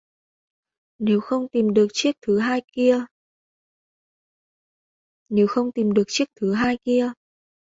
Nếu không tìm được chiếc thứ hai kia!